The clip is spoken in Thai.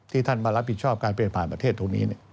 ท่านมารับผิดชอบการเปลี่ยนผ่านประเทศตรงนี้